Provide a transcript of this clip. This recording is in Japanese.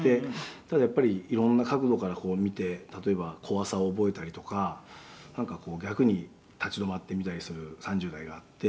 「ただやっぱりいろんな角度から見て例えば怖さを覚えたりとか逆に立ち止まってみたりする３０代があって」